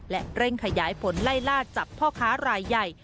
และเร่งขยายผลไล่ล่าจับพ่อค้ารายใหญ่